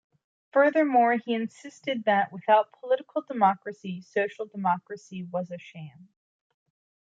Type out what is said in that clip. Furthermore, he insisted that "without political democracy social democracy was a sham".